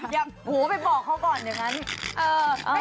อยากปูไปบอกเขาก่อนเลยค่ะ